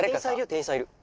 店員さんいる。